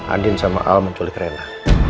andin sama al menculik rena